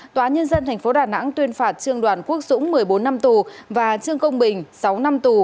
tòa nhân dân tp đà nẵng tuyên phạt trương đoàn quốc dũng một mươi bốn năm tù và trương công bình sáu năm tù